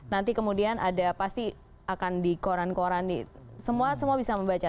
nanti kemudian ada pasti akan di koran koran semua bisa membaca